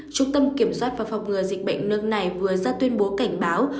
trung tâm kiểm soát và phòng ngừa dịch bệnh nước này vừa ra tuyên bố cảnh báo